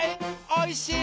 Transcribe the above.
おいしい